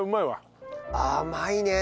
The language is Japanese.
甘いね。